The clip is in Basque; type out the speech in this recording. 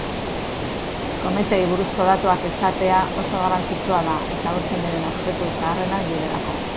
Kometei buruzko datuak izatea oso garrantzitsua da, ezagutzen diren objektu zaharrenak direlako.